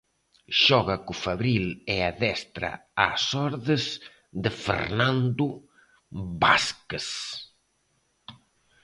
Xoga co Fabril e adestra ás ordes de Fernando Vázquez.